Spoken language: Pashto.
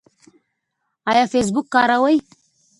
ایا فیسبوک کاروئ؟